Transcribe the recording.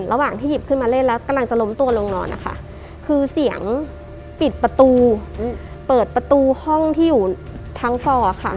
ระหว่างที่หยิบขึ้นมาเล่นแล้วกำลังจะล้มตัวลงนอนนะคะคือเสียงปิดประตูเปิดประตูห้องที่อยู่ทั้งฟอร์ค่ะ